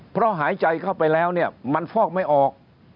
เพราะหายใจเข้าไปแล้วเนี่ยมันฟอกไม่ออก